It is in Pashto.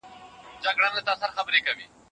ژوند به دي ابدي وای .